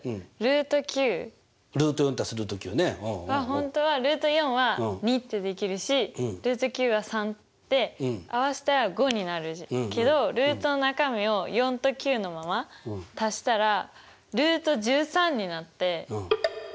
本当はは２ってできるしは３で合わせたら５になるけどルートの中身を４と９のまま足したらになってえっ５じゃないの？